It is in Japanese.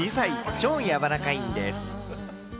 超やわらかいんです。